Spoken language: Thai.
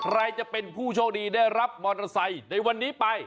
ใครจะเป็นผู้โชคดีได้รับมอเตอร์ไซค์ในวันนี้ไป